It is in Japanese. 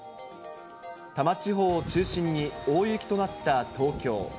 多摩地方を中心に大雪となった東京。